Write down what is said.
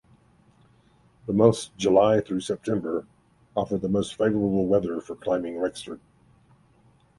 The months July through September offer the most favorable weather for climbing Rexford.